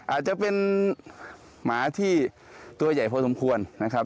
อาจจะเป็นหมาที่ตัวใหญ่พอสมควรนะครับ